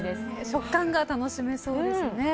食感が楽しめそうですね。